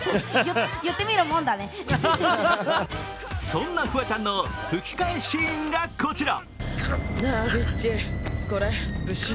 そんなフワちゃんの吹き替えシーンがこちら。